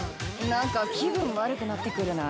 何か気分悪くなってくるな。